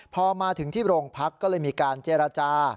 พอมาถึงที่โรงพักก็เลยมีการเจรจา